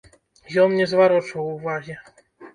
Ён не зварочваў увагі.